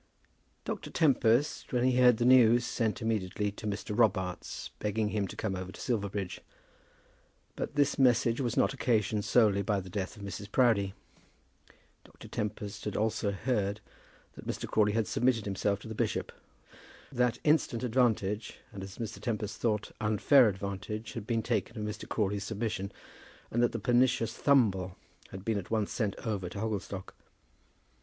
Dr. Tempest, when he heard the news, sent immediately to Mr. Robarts, begging him to come over to Silverbridge. But this message was not occasioned solely by the death of Mrs. Proudie. Dr. Tempest had also heard that Mr. Crawley had submitted himself to the bishop, that instant advantage, and as Dr. Tempest thought, unfair advantage, had been taken of Mr. Crawley's submission, and that the pernicious Thumble had been at once sent over to Hogglestock.